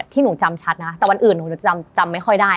หนูจำชัดนะแต่วันอื่นหนูจะจำไม่ค่อยได้